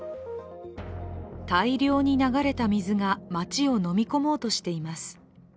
大量に流れた水が町を飲み込もうとしています